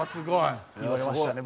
言われましたね